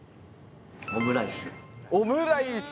オムライス。